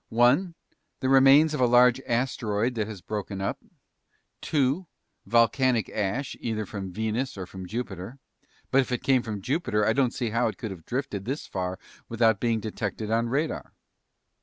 One, the remains of a large asteroid that has broken up. Two, volcanic ash, either from Venus or from Jupiter. But if it came from Jupiter, I don't see how it could have drifted this far without being detected on radar."